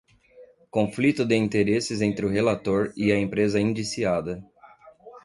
Conflito de interesses entre o relator e a empresa indiciada